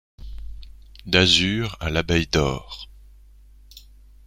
D'azur, à l'abeille d'or.